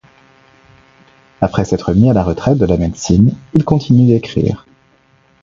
Après s'être mis à la retraite de la médecine, il continue d'écrire.